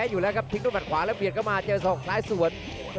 อยู่แล้วครับทิ้งด้วยมัดขวาแล้วเบียดเข้ามาเจอศอกซ้ายสวน